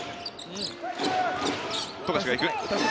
富樫が行く。